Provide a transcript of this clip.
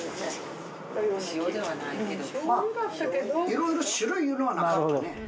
いろいろ種類いうのはなかったね。